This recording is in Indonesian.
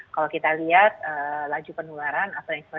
kalau kita lihat laju penularan apalagi selain kita okun